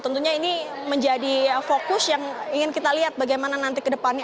tentunya ini menjadi fokus yang ingin kita lihat bagaimana nanti ke depannya